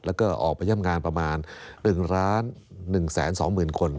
และก็ออกไปย่ำงานประมาณ๑๑๒๐๐๐๐คน